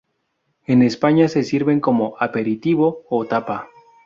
En España se sirven como aperitivo o tapa.